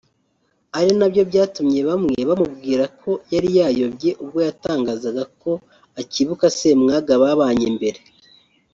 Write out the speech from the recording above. ari nabyo byatumye bamwe bamubwira ko yari yarayobye ubwo yatangazaga ko akibuka Ssemwanga babanye mbere